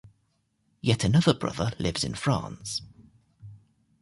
Yet another brother lives in France.